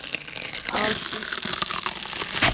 Auchi